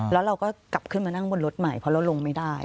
แล้วเราก็กลับขึ้นมานั่งบนรถใหม่เพราะเราลงไม่ได้